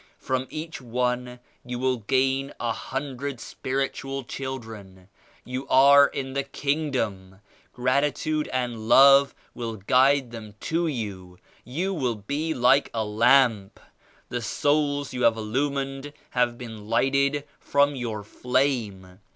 From each one you will gain a hundred spiritual children. You are in the Kingdom. Gratitude and love will guide them to you. You will be like a lamp. The souls you have illumined have been lighted from your flame.